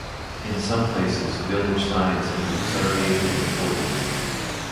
In some places village signs have been surveyed and recorded.